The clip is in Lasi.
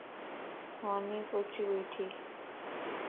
ماني پچَ ٻيٺي